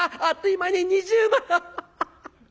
あっという間に２０枚。